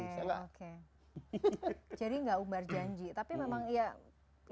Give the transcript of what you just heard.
jadi enggak umbar janji tapi memang ya